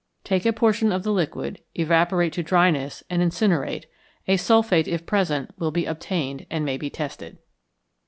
Take a portion of the liquid, evaporate to dryness, and incinerate; a sulphate, if present, will be obtained, and may be tested.